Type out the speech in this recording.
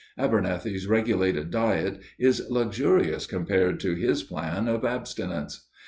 Abernethy's regulated diet is luxurious compared to his plan of abstinence.